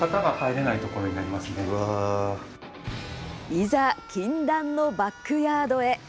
いざ、禁断のバックヤードへ。